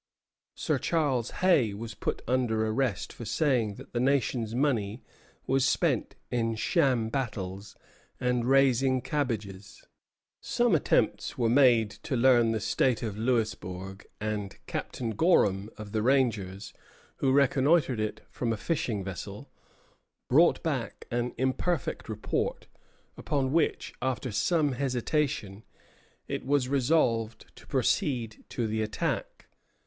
Sir Charles Hay was put under arrest for saying that the nation's money was spent in sham battles and raising cabbages. Some attempts were made to learn the state of Louisbourg; and Captain Gorham, of the rangers, who reconnoitred it from a fishing vessel, brought back an imperfect report, upon which, after some hesitation, it was resolved to proceed to the attack.